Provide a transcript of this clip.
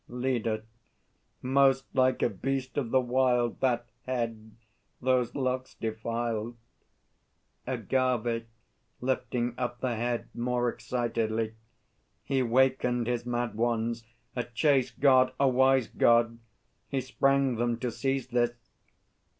LEADER. Most like a beast of the wild That head, those locks defiled. AGAVE (lifting up the head, more excitedly). He wakened his Mad Ones, A Chase God, a wise God! He sprang them to seize this!